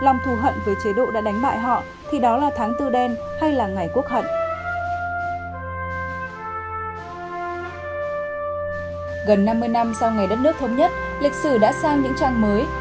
gần năm mươi năm sau ngày đất nước thống nhất lịch sử đã sang những trang mới